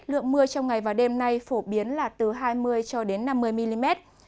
lượng mưa trong ngày và đêm nay phổ biến là từ hai mươi cho đến năm mươi mm